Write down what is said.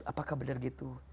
apakah benar gitu